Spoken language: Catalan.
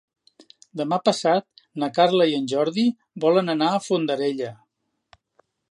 Demà passat na Carla i en Jordi volen anar a Fondarella.